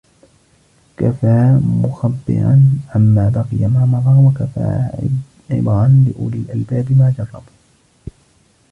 كَفَى مُخَبِّرًا عَمَّا بَقِيَ مَا مَضَى وَكَفَى عِبَرًا لِأُولِي الْأَلْبَابِ مَا جَرَّبُوا